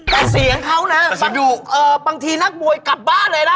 แต่เสียงเขานะบางทีนักมวยกลับบ้านเลยนะ